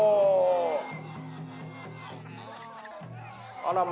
あらま。